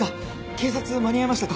警察間に合いましたか。